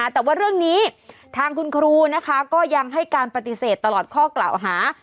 แต่ว่าเรื่องนี้ทางคุณครูนะคะก็ยังให้การปฏิเสธตลอดข้อกล่าวหา